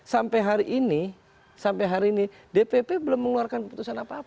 sampai hari ini dpp belum mengeluarkan keputusan apa apa